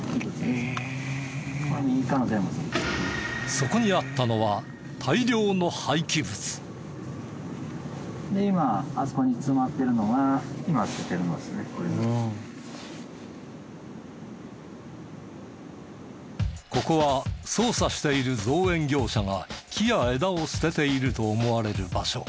そこにあったのはここは捜査している造園業者が木や枝を捨てていると思われる場所。